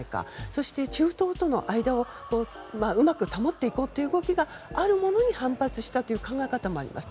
そして、中東との間をうまく保っていこうという動きがあるものに反発したという考え方もあります。